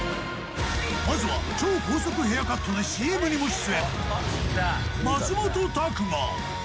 まずは超高速ヘアカットでＣＭにも出演松本拓馬